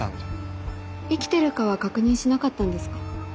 生きてるかは確認しなかったんですか？